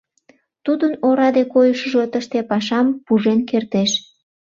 Тудын ораде койышыжо тыште пашам пужен кертеш.